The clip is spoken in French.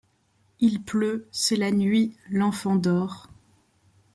Il pleut, c’est la nuit, l’enfant dort